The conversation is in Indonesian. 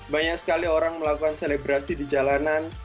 banyak sekali orang melakukan selebrasi di jalanan